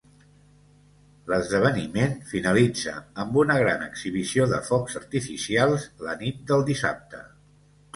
L'esdeveniment finalitza amb una gran exhibició de focs artificials la nit del dissabte.